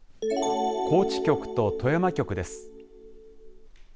高知局と富山局です。